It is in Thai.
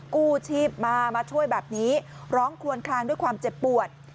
กู้ชีพมามาช่วยแบบนี้ร้องคลวนคลางด้วยความเจ็บปวด